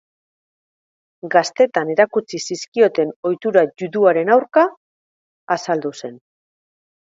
Gaztetan erakutsi zizkioten ohitura juduaren aurka azaldu zen.